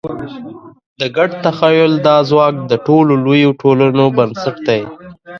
د ګډ تخیل دا ځواک د ټولو لویو ټولنو بنسټ دی.